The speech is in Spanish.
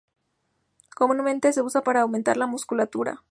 Comúnmente se usa para aumentar la musculatura.